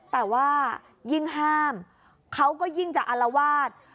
แต่ว่ายิ่งห้ามเขาก็ยิ่งจะอารวาส